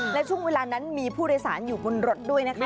และช่วงเวลานั้นมีผู้โดยสารอยู่บนรถด้วยนะคะ